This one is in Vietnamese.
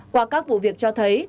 qua các vụ việc cho thấy